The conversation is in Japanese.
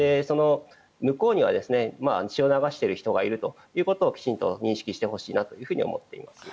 向こうには血を流している人がいるということをきちんと認識してほしいなと思っています。